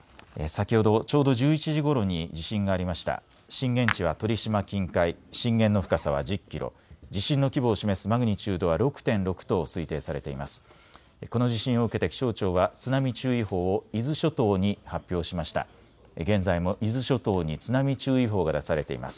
震源地は鳥島近海、震源の深さは１０キロ、地震の規模を示すマグニチュードは６．６と推定されています。